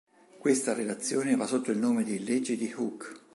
Questa relazione va sotto il nome di Legge di Hooke.